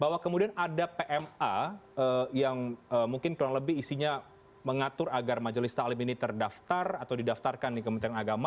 bahwa kemudian ada pma yang mungkin kurang lebih isinya mengatur agar majelis taklim ini terdaftar atau didaftarkan di kementerian agama